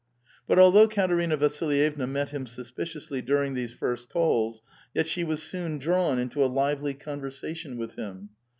But although Katerina Vasilj'evna met him suspiciously during these first calls, yet she was soon drawn into a lively conversation with him.